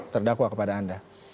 terdakwa kepada anda